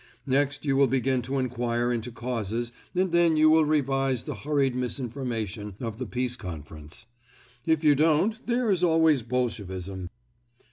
Next you will begin to enquire into causes and then you will revise the hurried misinformation of the Peace Conference. If you don't, there is always Bolshevism."